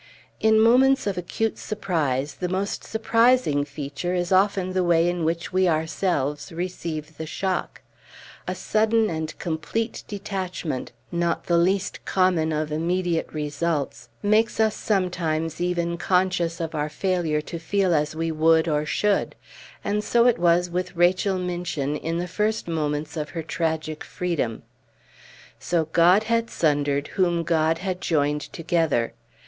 In moments of acute surprise the most surprising feature is often the way in which we ourselves receive the shock; a sudden and complete detachment, not the least common of immediate results, makes us sometimes even conscious of our failure to feel as we would or should; and it was so with Rachel Minchin in the first moments of her tragic freedom. So God had sundered whom God had joined together!